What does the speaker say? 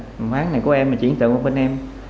mà khoảng thể của em là chỉnh tượng của bên em